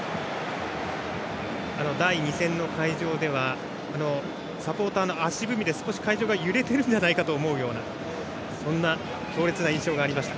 第２戦の会場ではサポーターの足踏みで少し会場が揺れていると思うようなそんな強烈な印象がありました。